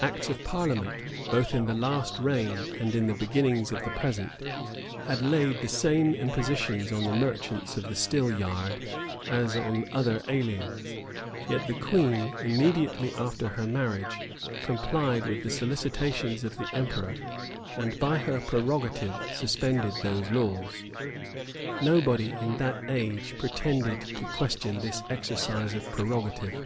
Acts of parliament, both in the last reign and in the beginning of the present, had laid the same impositions on the merchants of the still yard as on other aliens; yet the queen, immediately after her marriage, complied with the solicitations of the emperor, and by her prerogative suspended those laws.[*] Nobody in that age pretended to question this exercise of prerogative.